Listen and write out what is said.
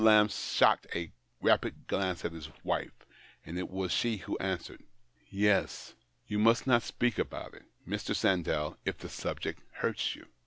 Lamb shot a rapid glance at his wife, and it was she who answered. "Yes? You must not speak about it, Mr. Sandell, if the subject hurts you."